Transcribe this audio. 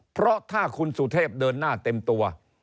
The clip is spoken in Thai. เพราะถ้าคุณสุเทพเดินหน้าเต็มตัว